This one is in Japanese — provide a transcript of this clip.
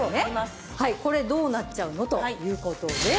これどうなっちゃうの？という事で。